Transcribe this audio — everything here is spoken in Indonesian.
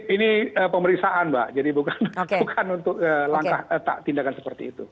ini pemeriksaan mbak jadi bukan untuk langkah tindakan seperti itu